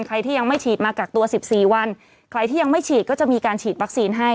ใครที่ยังไม่ฉีดมากักตัว๑๔วันใครที่ยังไม่ฉีดก็จะมีการฉีดวัคซีนให้